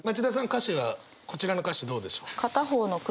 歌詞はこちらの歌詞どうでしょう？